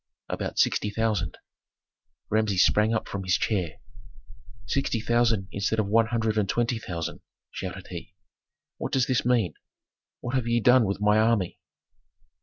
"About sixty thousand." Rameses sprang up from his chair. "Sixty thousand instead of one hundred and twenty thousand!" shouted he. "What does this mean? What have ye done with my army?"